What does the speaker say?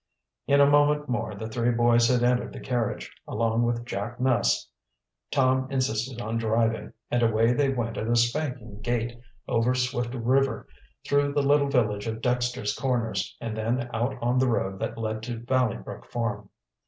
In a moment more the three boys had entered the carriage, along with Jack Ness. Tom insisted on driving, and away they went at a spanking gait, over Swift River, through the little village of Dexter's Corners, and then out on the road that led to Valley Brook farm.